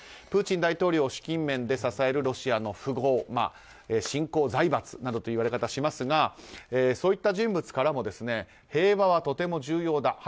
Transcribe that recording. プーチン大統領を資金面で支えるロシアの富豪新興財閥などという言われ方をしますがそういった人物からも平和はとても重要だ。